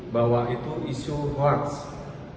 bahwa itu tidak bisa dilaksanakan